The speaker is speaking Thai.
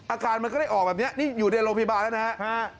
อาการมันก็ได้ออกแบบนี้นี่อยู่ในโรงพยาบาลแล้วนะฮะ